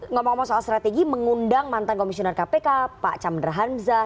ngomong ngomong soal strategi mengundang mantan komisioner kpk pak chandra hamzah